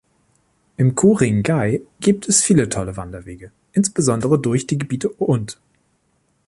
In Ku-ring-gai gibt es viele tolle Wanderwege, insbesondere durch die Gebiete und.